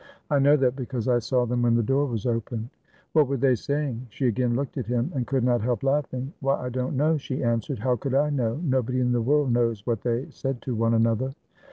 I know that, because I saw them when the door was opened." "What were they saying?" She again looked at him, and could not help laughing. "Why, I don't know," she answered. "How could I know? Nobody in the world knows what they said to one another."